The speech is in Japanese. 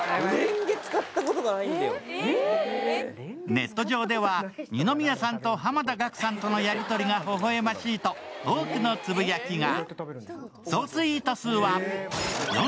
ネット上では、二宮さんと濱田岳さんとのやり取りがほほえましいと多くのつぶやきが。